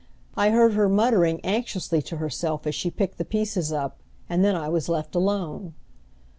I heard her muttering anxiously to herself as she picked the pieces up, and then I was left alone.